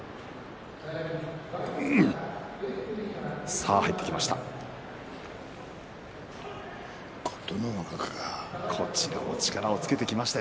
さあ入ってきました。